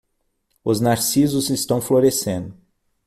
Os narcisos estão florescendo.